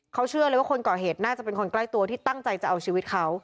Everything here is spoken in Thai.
เขาเชื่อเลยว่าคนก่อเหตุน่าจะเป็นคนใกล้ตัวที่ตั้งใจจะเอาชีวิตเขา